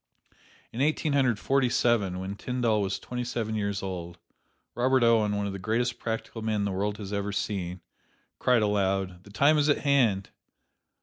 In Eighteen Hundred Forty seven, when Tyndall was twenty seven years old, Robert Owen, one of the greatest practical men the world has ever seen, cried aloud, "The time is at hand!"